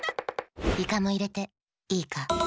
イカもいれてイーカ？